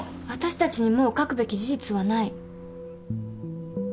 私たちにもう書くべき事実はない。